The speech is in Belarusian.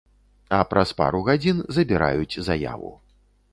А праз пару гадзін забіраюць заяву.